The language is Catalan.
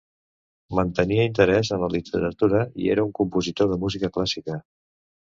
Mantenia interès en la literatura i era un compositor de música clàssica.